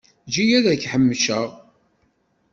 Eǧǧ-iyi ad k-ḥemceɣ.